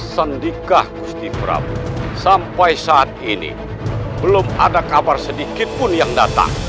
sendikah gusti prabu sampai saat ini belum ada kabar sedikit pun yang datang